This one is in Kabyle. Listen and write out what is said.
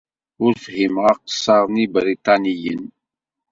Ur fhimeɣ aqeṣṣer n Yebriṭaniyen.